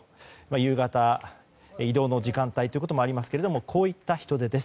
夕方、移動の時間帯といこともありますがこういった人出です。